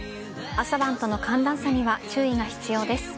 朝晩との寒暖差には注意が必要です。